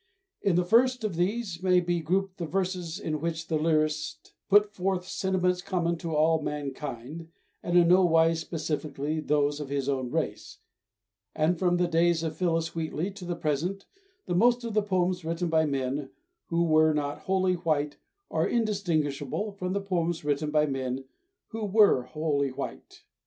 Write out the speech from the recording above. In the first of these may be grouped the verses in which the lyrist put forth sentiments common to all mankind and in no wise specifically those of his own race; and from the days of Phyllis Wheatley to the present the most of the poems written by men who were not wholly white are indistinguishable from the poems written by men who were wholly white.